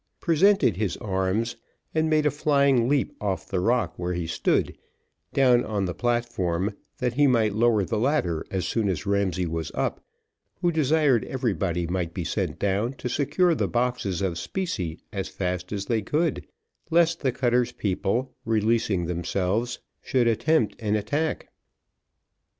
presented his arms, and made a flying leap off the rock where he stood, down on the platform, that he might lower the ladder as soon as Ramsay was up, who desired everybody might be sent down to secure the boxes of specie as fast as they could, lest the cutter's people, releasing themselves, should attempt an attack.